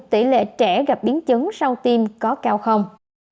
tỉ lệ trẻ gặp biến chấn sau tiêm có cao không